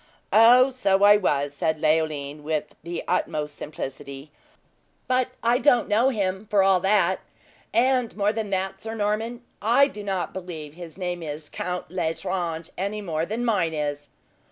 "Oh, so I was," said Leoline, with the utmost simplicity. "But I don't know him, for all that; and more than that, Sir Norman, I do not believe his name is Count L'Estrange, any more than mine is!"